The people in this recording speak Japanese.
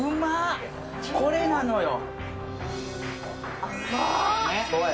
これなのよ。